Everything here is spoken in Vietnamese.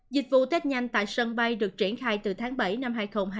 dịch vụ test nhanh tại sân bay được triển khai từ tháng bảy năm hai nghìn hai mươi một